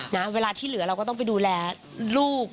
นะเวลาที่เหลือเราก็ต้องไปดูแลลูก